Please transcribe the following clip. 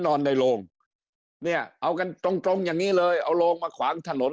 นอนในโรงเนี่ยเอากันตรงตรงอย่างนี้เลยเอาโลงมาขวางถนน